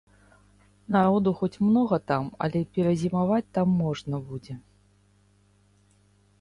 Народу хоць многа там, але перазімаваць там можна будзе.